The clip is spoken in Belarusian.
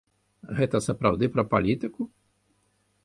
Гэта сапраўды пра палітыку?